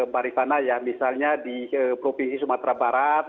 barifana ya misalnya di provinsi sumatera barat